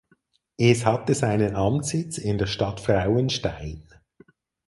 Es hatte seinen Amtssitz in der Stadt Frauenstein.